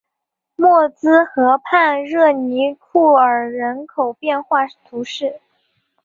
默兹河畔热尼库尔人口变化图示